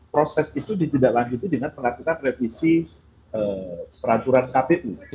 proses itu ditinggal lanjuti dengan penatutan revisi peraturan kpu